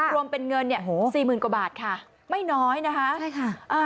รวมเป็นเงิน๔๐๐๐๐กว่าบาทค่ะไม่น้อยนะคะ